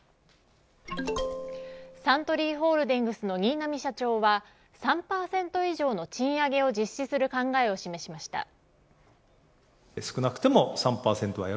サントリーホールディングスの新浪社長は３％以上の賃上げを実施する考えを示しました。